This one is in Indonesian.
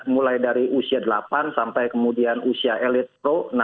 mulai dari usia delapan sampai kemudian usia elite pro enam belas delapan belas dua puluh